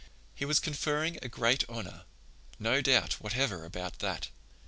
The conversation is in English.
"He was conferring a great honor—no doubt whatever about that.